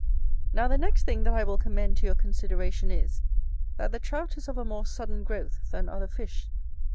Now the next thing that I will commend to your consideration is, that the Trout is of a more sudden growth than other fish.